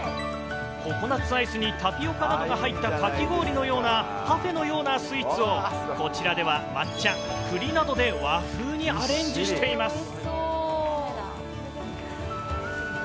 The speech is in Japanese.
ココナッツアイスにタピオカなどが入った、かき氷のような、パフェのようなスイーツを、こちらでは抹茶、くりなどで和風にアレンジしています。